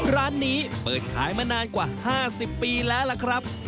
ร้านนี้เปิดขายมานานกว่า๕๐ปีแล้วล่ะครับ